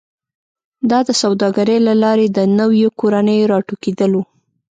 دا د سوداګرۍ له لارې د نویو کورنیو راټوکېدل و